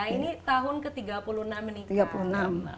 ini tahun ke tiga puluh enam ini kan